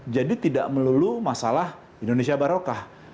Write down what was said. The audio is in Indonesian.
jadi tidak melulu masalah indonesia barokah